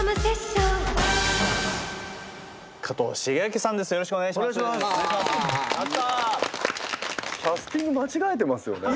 キャスティング間違えてますよね？